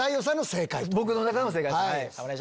僕の中の正解です。